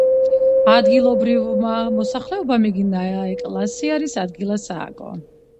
ადგილობრივმა მოსახლეობამ იგი ნაეკლესიარის ადგილას ააგო.